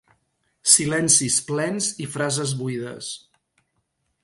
Silencis plens i frases buides.